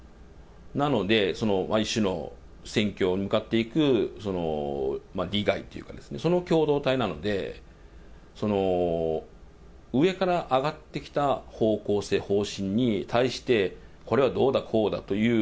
なので、一種の選挙に向かっていく利害っていうかですね、その共同体なので、上から上がってきた方向性、方針に対して、これはどうだこうだという、